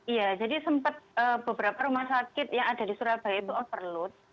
iya jadi sempat beberapa rumah sakit yang ada di surabaya itu overload